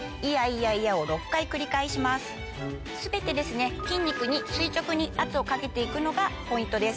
全て筋肉に垂直に圧をかけて行くのがポイントです。